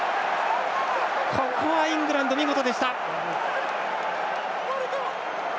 ここはイングランド見事でした。